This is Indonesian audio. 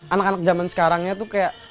anak anak zaman sekarang itu melupakan